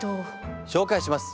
紹介します。